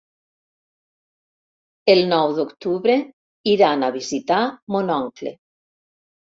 El nou d'octubre iran a visitar mon oncle.